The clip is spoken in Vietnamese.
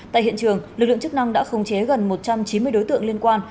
tại hiện trường lực lượng chức năng đã khống chế gần một trăm chín mươi đối tượng liên quan